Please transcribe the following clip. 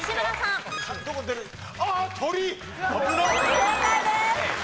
正解です。